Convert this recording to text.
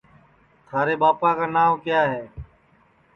تھارے ٻاپا کا نانٚو کِیا ہے